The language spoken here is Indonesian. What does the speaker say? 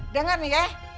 dengar nih ya